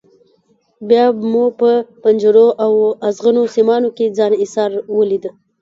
بیا مو په پنجرو او ازغنو سیمانو کې ځان ایسار ولید.